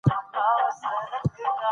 مور د ماشومانو سره مینه او احترام چلند کوي.